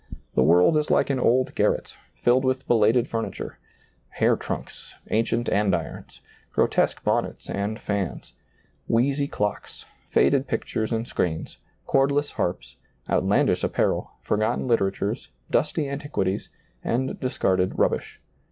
The world is like an old garret, filled with belated fumiture, hair trunks, ancient andirons, grotesque bonnets and fiuis, wheezy clocks, faded pictures and screens, chordless harps, outlandish apparel, forgotten literatures, dusty antiquities, and discarded rubbish.